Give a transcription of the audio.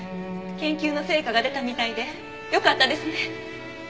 研究の成果が出たみたいでよかったですね！